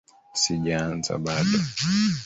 Sijaanza bado